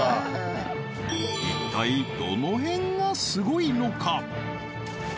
一体どの辺がすごいのか？